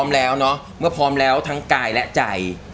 เมื่อพร้อมแล้วทั้งกายและใจ